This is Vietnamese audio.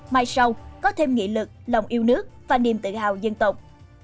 mai sau có thêm nghị lực lòng yêu nước và niềm tự hào dân tộc